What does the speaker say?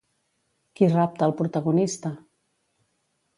Qui rapta al protagonista?